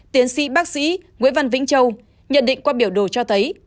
tiến sĩ bác sĩ nguyễn văn vĩnh châu nhận định qua biểu đồ cho thấy